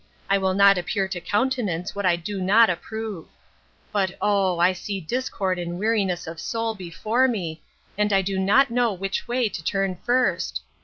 I will not appear to countenance what I do not approve. But, oh ! I see discord and weariness of soul before me, and I do not know which way to turn first.